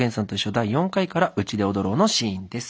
第４回から「うちで踊ろう」のシーンです。